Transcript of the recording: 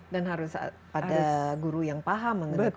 dan harus ada guru yang paham mengenai kondisi